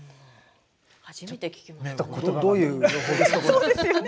初めて聞きましたね。